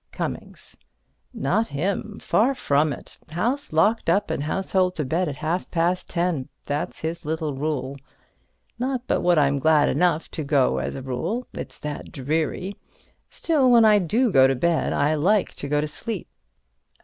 Cummings: Not him; far from it. House locked up and household to bed at half past ten. That's his little rule. Not but what I'm glad enough to go as a rule, it's that dreary. Still, when I do go to bed I like to go to sleep.